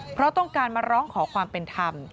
เพราะต้องการมาร้องขอความเป็นธรรม